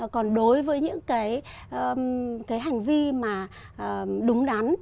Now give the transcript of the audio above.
còn đối với những hành vi đúng đắn